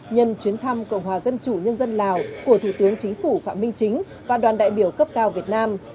nhân chuyến thăm cộng hòa dân chủ nhân dân lào của thủ tướng chính phủ phạm minh chính và đoàn đại biểu cấp cao việt nam